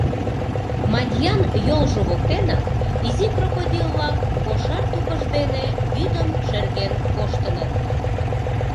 Мадьян йолжо воктенак изи крокодил-влак кошар тупышт дене вӱдым шерген коштыныт.